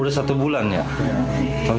udah satu bulan ya